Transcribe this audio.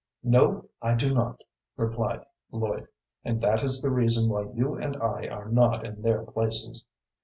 "No, I do not," replied Lloyd; "and that is the reason why you and I are not in their places."